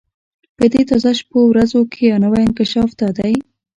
په دې تازه شپو ورځو کې یو نوی انکشاف دا دی.